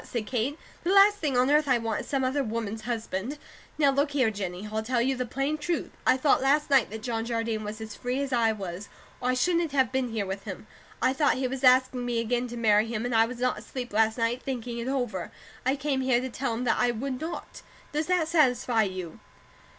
said Kate. "The last thing on earth I want is some other woman's husband. Now look here, Jennie, I'll tell you the plain truth. I thought last night that John Jardine was as free as I was; or I shouldn't have been here with him. I thought he was asking me again to marry him, and I was not asleep last night, thinking it over. I came here to tell him that I would not. Does that satisfy you?"